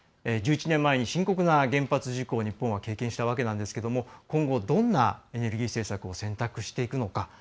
１１年前に深刻な原発事故を日本は経験したわけですが今後、どんなエネルギー政策を選択していくのか。